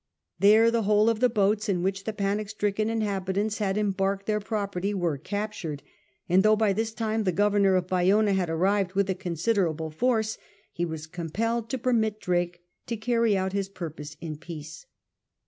There the whole of the boats in which the panic stricken inhabitants had embarked their property were captured, and though by this time the Governor of Bayona had arrived with a considerable force, he was compelled to permit Drake to carry out his purpose in peace.